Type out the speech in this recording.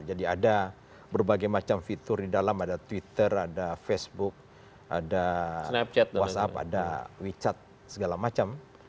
ada berbagai macam fitur di dalam ada twitter ada facebook ada whatsapp ada wechat segala macam